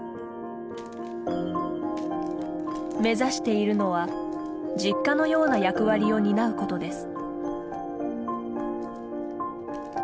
目指しているのは実家のような役割を担うことです。